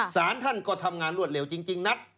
สารท่านก็ทำงานรวดเร็วจริงนัด